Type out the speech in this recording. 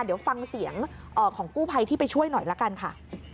เดี๋ยวฟังเสียงของกู้ภัยที่ไปช่วยหน่อยละกันค่ะ